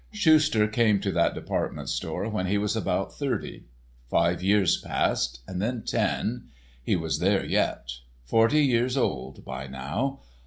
Schuster came to that department store when he was about thirty. Five years passed; then ten—he was there yet—forty years old by now.